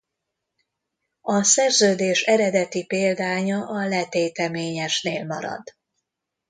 A szerződés eredeti példánya a letéteményesnél marad.